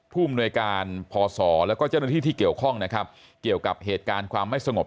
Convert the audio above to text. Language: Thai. ภูมิหน่วยการพศแล้วก็เจ้าหน้าที่ที่เกี่ยวข้องนะครับเกี่ยวกับเหตุการณ์ความไม่สงบ